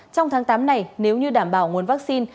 trong tháng tám này nếu như đảm bảo nguồn vaccine